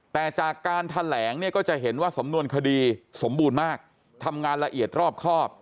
แต่จากการแถลงเนี่ยก็จะเห็นว่าสำนวนคดีสมบูรณ์มากทำงานละเอียดรอบครอบ